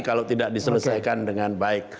kalau tidak diselesaikan dengan baik